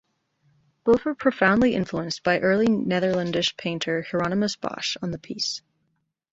Both were "profoundly influenced" by Early Netherlandish painter Hieronymous Bosch on the piece.